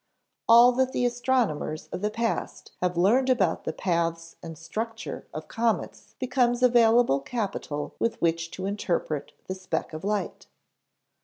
All that the astronomers of the past have learned about the paths and structure of comets becomes available capital with which to interpret the speck of light.